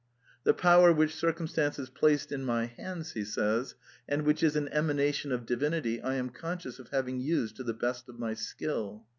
"The power which cir cumstances placed in my hands," he says, " and which is an emanation of divinity, I am conscious of having used to the best of my skill.